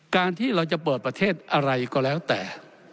การที่เราจะเปิดประเทศอะไรก็แล้วแต่